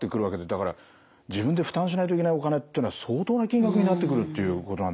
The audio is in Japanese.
だから自分で負担しないといけないお金ってのは相当な金額になってくるっていうことなんですよね。